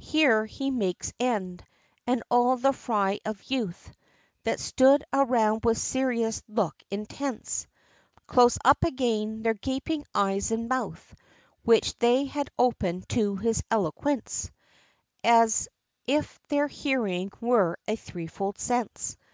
XXV. Here, he makes end; and all the fry of youth, That stood around with serious look intense, Close up again their gaping eyes and mouth, Which they had opened to his eloquence, As if their hearing were a threefold sense.